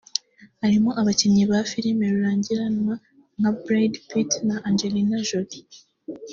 barimo abakinnyi ba filimi rurangiranwa nka Brad Pitt na Angelina Jolie